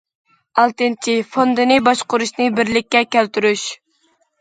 ئالتىنچى، فوندىنى باشقۇرۇشنى بىرلىككە كەلتۈرۈش.